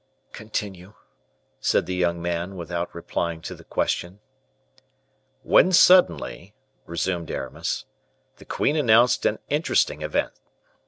"Continue," said the young man, without replying to the question. "When suddenly," resumed Aramis, "the queen announced an interesting event.